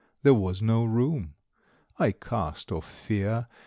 There was no room. I cast off fear.